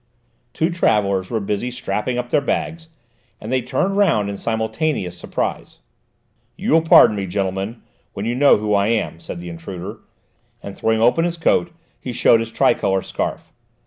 Two travellers were busy strapping up their bags, and they turned round in simultaneous surprise. "You will pardon me, gentlemen, when you know who I am," said the intruder, and throwing open his coat he showed his tricolour scarf.